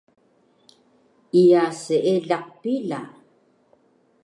Iya seelaq pila